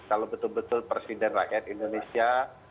kalau betul betul presiden rakyat indonesia